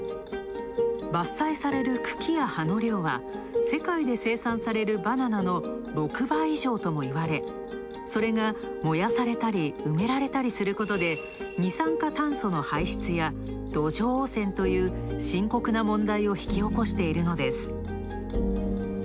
伐採される茎や葉の量は世界で生産されるバナナの６倍以上ともいわれそれが、燃やされたり埋められたりすることで二酸化炭素の排出や土壌汚染という深刻な問題を引き起こしているのです。